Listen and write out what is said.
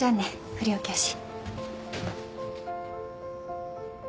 不良教師。